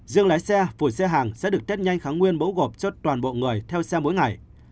dương lái xe phủ xe hàng sẽ được tết nhanh kháng nguyên mẫu gộp cho toàn bộ người theo xe mỗi ngày